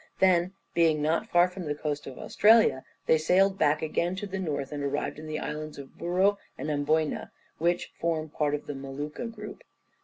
then being not far from the coast of Australia they sailed back again to the north and arrived at the Islands of Buro and Amboyna, which form part of the Molucca group.